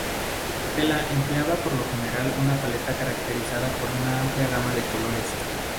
Stella empleaba por lo general una paleta caracterizada por una amplia gama de colores.